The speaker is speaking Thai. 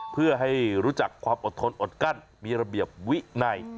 เพื่อให้รู้จักความอดทนอดกั้นมีระเบียบวินัย